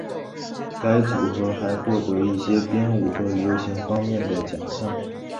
该组合还获得一些编舞和流行方面的奖项。